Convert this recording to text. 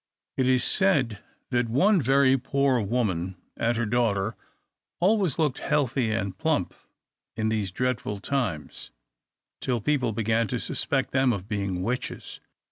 It is said that one very poor woman and her daughter always looked healthy and plump in these dreadful times, till people began to suspect them of being witches.